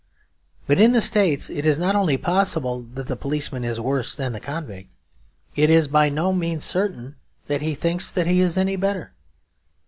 But in the States it is not only possible that the policeman is worse than the convict, it is by no means certain that he thinks that he is any better.